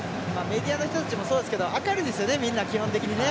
メディアの人たちもそうですけど明るいですよね